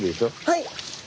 はい。